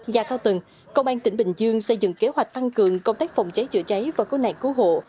nhà cao tầng công an tỉnh bình dương xây dựng kế hoạch tăng cường công tác phòng cháy chữa cháy và cố nạn cứu hộ